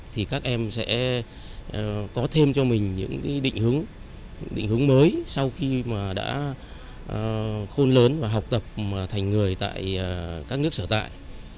thì các em sẽ có thêm cho mình những định hướng mới sau khi đã khôn lớn và học tập thành người tại các nước sở tại